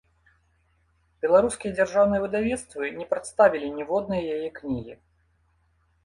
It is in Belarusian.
Беларускія дзяржаўныя выдавецтвы не прадставілі ніводнай яе кнігі.